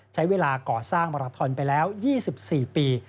ใช้เวลาก่อสร้างมาราทอนไปแล้ว๒๔ปี